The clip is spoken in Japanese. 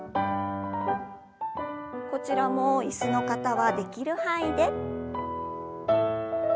こちらも椅子の方はできる範囲で。